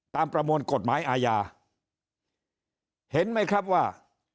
ประมวลกฎหมายอาญาเห็นไหมครับว่า